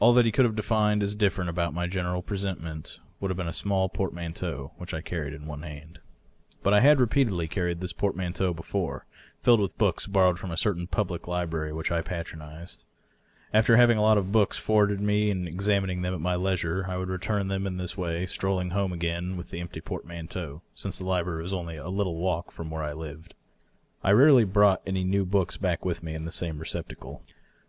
AH that he could have defined as different about my general presentment would have been a small portmanteau, which I carried in one hand. DOUGLAS DUANE. 607 But I had repeatedly carried this portmanteau before, filled with books borrowed from a certain public library which I patronized. After having a lot of books forwarded me and examining them at my leisure, I would return them in this way, strolling home again with the empty portman teau, since the library was only a little walk from where I lived. I rarely brought any new books back with me in the same receptacle.